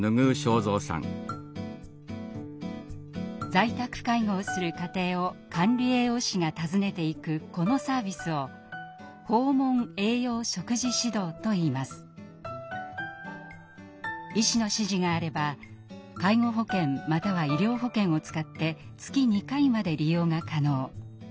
在宅介護をする家庭を管理栄養士が訪ねていくこのサービスを医師の指示があれば介護保険または医療保険を使って月２回まで利用が可能。